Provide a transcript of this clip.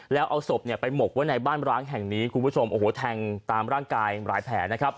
แล้วเอาศพเนี่ยไปหมกไว้ในบ้านร้างแห่งนี้คุณผู้ชมโอ้โหแทงตามร่างกายหลายแผลนะครับ